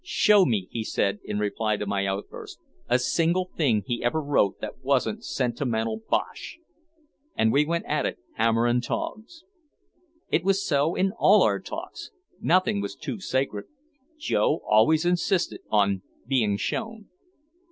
"Show me," he said, in reply to my outburst, "a single thing he ever wrote that wasn't sentimental bosh!" And we went at it hammer and tongs. It was so in all our talks. Nothing was too sacred. Joe always insisted on "being shown."